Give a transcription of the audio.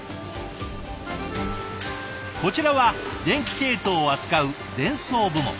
こちらは電気系統を扱う電装部門。